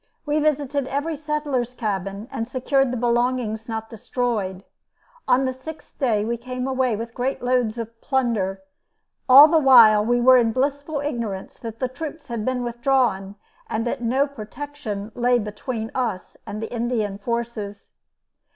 We visited every settler's cabin and secured the belongings not destroyed. On the sixth day we came away with great loads of "plunder." All the while we were in blissful ignorance that the troops had been withdrawn, and that no protection lay between us and the Indian forces.